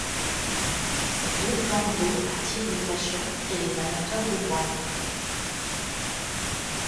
Ces deux plans d'eau attirent les pêcheurs et les amateurs de voile.